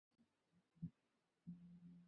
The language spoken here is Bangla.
সে হাসির অর্থ, আজ কী ছেলেমানুষিই করিয়াছি।